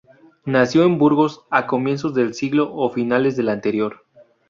Nació en Burgos a comienzos del siglo o finales del anterior.